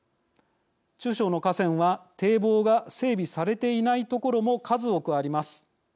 中小の河川は堤防が整備されていない所も数多くあります。